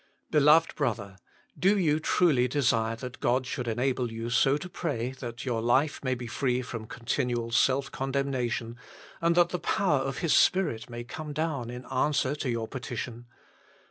Beloved brother ! do you truly desire that God should enable you so to pray that your life may be free from continual self condemnation, and that the power of His Spirit may come down in answer to your petition